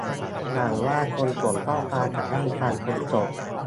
หวังว่าคนส่งข้อความจะได้ฟังจนจบ